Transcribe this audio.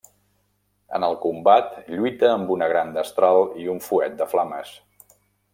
En el combat lluita amb una gran destral i un fuet de flames.